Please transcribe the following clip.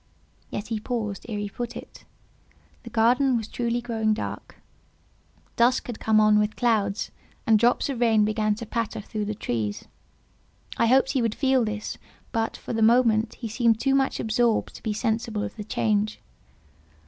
Yet he paused ere he put it. The garden was truly growing dark; dusk had come on with clouds, and drops of rain began to patter through the trees. I hoped he would feel this, but, for the moment, he seemed too much absorbed to be sensible of the change.